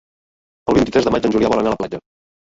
El vint-i-tres de maig en Julià vol anar a la platja.